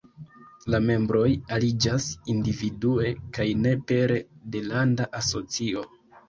La membroj aliĝas individue, kaj ne pere de landa asocio.